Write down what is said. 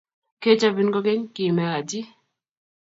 Kechobin kokeny, kime Haji.